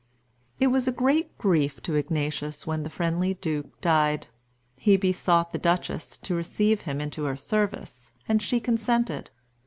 It was a great grief to Ignatius when the friendly Duke died. He besought the Duchess to receive him into her service, and she consented.